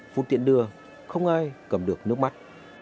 phút tiện đưa không ai cầm được nước mắt